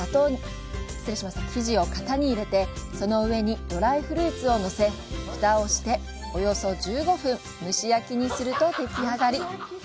生地を型に入れて、その上にドライフルーツをのせ、ふたをして、およそ１５分蒸し焼きにすると出来上がり。